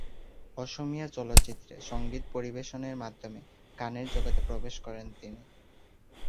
অসমীয়া চলচ্চিত্রে সঙ্গীত পরিবেশনের মাধ্যমে গানের জগতে প্রবেশ করেন তিনি।